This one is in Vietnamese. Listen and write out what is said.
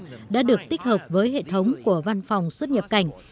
thẻ điện tử e card được tích hợp với hệ thống của văn phòng xuất nhập cảnh